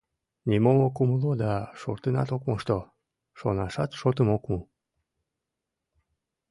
Нимом ок умыло да шортынат ок мошто, шонашат шотым ок му.